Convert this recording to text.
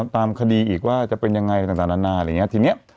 ตามคดีอีกว่าจะเป็นยังไงต่างนานาอะไรอย่างนี้ทีนี้